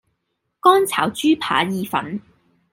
乾炒豬扒意粉